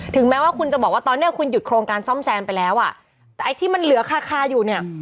แม้ว่าคุณจะบอกว่าตอนเนี้ยคุณหยุดโครงการซ่อมแซมไปแล้วอ่ะแต่ไอ้ที่มันเหลือคาอยู่เนี่ย